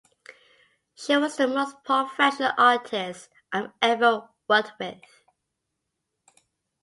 She was the most professional artist I've ever worked with.